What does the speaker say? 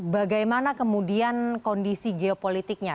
bagaimana kemudian kondisi geopolitiknya